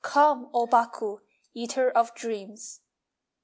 Come, O Baku, Eater of dreams!